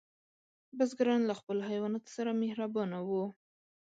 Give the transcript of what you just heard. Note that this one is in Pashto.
بزګران له خپلو حیواناتو سره مهربانه وو.